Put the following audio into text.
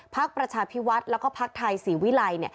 ภักดิ์ประชาภิวัฒน์แล้วก็ภักดิ์ไทยศรีวิลัย